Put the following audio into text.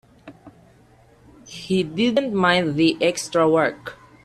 He didn't mind the extra work.